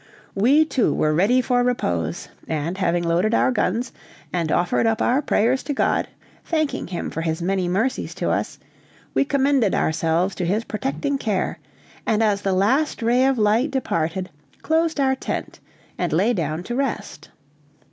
We, too, were ready for repose, and having loaded our guns, and offered up our prayers to God, thanking Him for His many mercies to us, we commended ourselves to His protecting care, and as the last ray of light departed, closed our tent and lay down to rest.